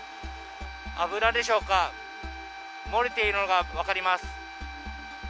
油でしょうか、漏れているのが分かります。